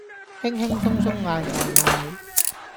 輕輕鬆鬆嗌外賣